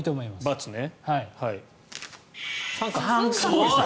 ×ね。